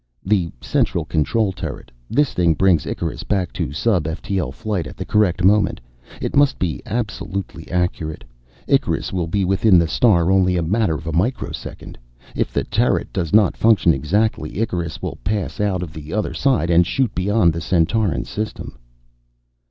"The central control turret. This thing brings Icarus back to sub ftl flight at the correct moment. It must be absolutely accurate. Icarus will be within the star only a matter of a microsecond. If the turret does not function exactly, Icarus will pass out the other side and shoot beyond the Centauran system."